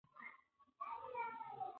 د پیر محمد کاروان شاعري ډېره ښکلې ده.